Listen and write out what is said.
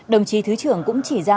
đồng chí thứ trưởng cũng chỉ ra